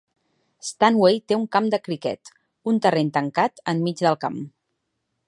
Stanway té un camp de criquet, un terreny tancat, enmig del camp.